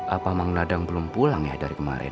apa mang ladang belum pulang ya dari kemarin